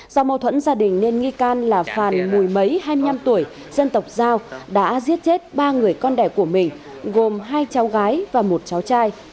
do mâu thuẫn gia đình nên nghi can là phàn mùi mấy hai mươi năm tuổi dân tộc giao đã giết chết ba người con đẻ của mình gồm hai cháu gái và một cháu trai